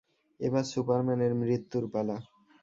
এবার সুপারম্যানের মৃত্যুর পালা।